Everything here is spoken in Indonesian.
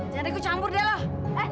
jangan deh kucampur deh loh